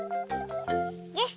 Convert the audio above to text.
よし！